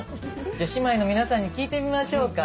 じゃあ姉妹の皆さんに聞いてみましょうか。